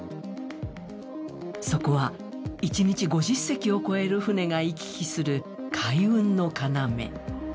そこは一日５０隻を超える船が行き来する海運の要。